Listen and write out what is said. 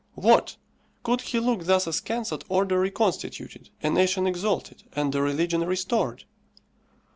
What! could he look thus askance at order reconstituted, a nation exalted, and a religion restored?